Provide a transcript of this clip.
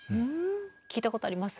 聞いたことあります？